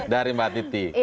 dari mbak titi